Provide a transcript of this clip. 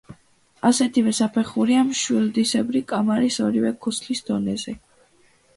ასეთივე საფეხურია მშვილდისებრი კამარის ორივე ქუსლის დონეზე.